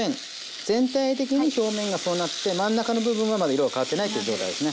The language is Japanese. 全体的に表面がそうなって真ん中の部分はまだ色が変わってないという状態ですね。